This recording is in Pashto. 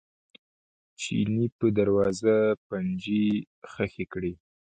چیني په دروازه پنجې ښخې کړې وې.